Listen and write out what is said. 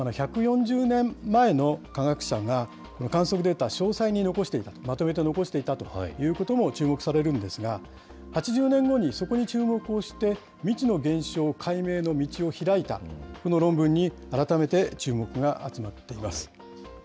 １４０年前の科学者が観測データ、詳細に残していた、まとめて残していたということも注目されるんですが、８０年後にそこに注目をして、未知の現象解明の道を開いた、この論文に改めて注目が集まっています。